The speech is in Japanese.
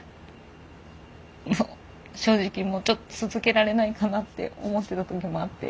もう正直もうちょっと続けられないかなって思ってた時もあって。